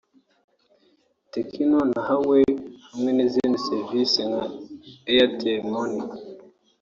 Tecno na Huawei hamwe n’izindi serivisi nka Airtel Money